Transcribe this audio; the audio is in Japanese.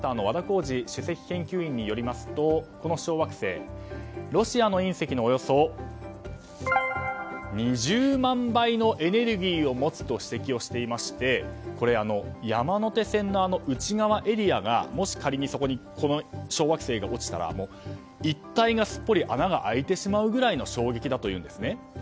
和田耕治主席研究員によりますとこの小惑星ロシアの隕石のおよそ２０万倍のエネルギーを持つと指摘をしていまして山手線の内側エリアに、もし仮に小惑星が落ちたら一帯がすっぽり穴が開いてしまうぐらいの衝撃だというんですね。